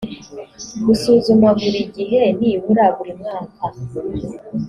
gusuzuma buri gihe nibura buri mwaka